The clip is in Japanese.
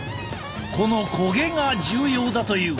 この焦げが重要だという。